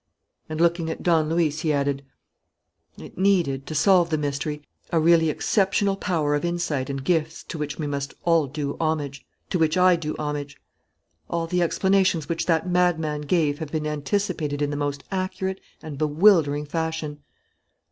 And, looking at Don Luis, he added: "It needed, to solve the mystery, a really exceptional power of insight and gifts to which we must all do homage, to which I do homage. All the explanations which that madman gave have been anticipated in the most accurate and bewildering fashion."